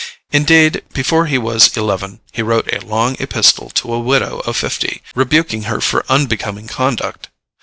Indeed, before he was eleven, he wrote a long epistle to a widow of fifty, rebuking her for unbecoming conduct.